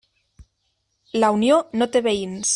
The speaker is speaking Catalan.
La Unió no té veïns.